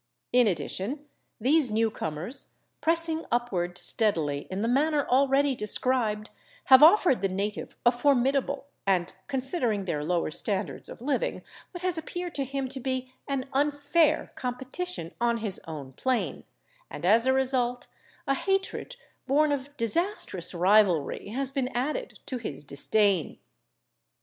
In addition, these newcomers, pressing upward steadily in the manner already described, have offered the native a formidable, and considering their lower standards of living, what has appeared to him to be an unfair competition on his own plane, and as a result a hatred born of disastrous rivalry has been added to his disdain.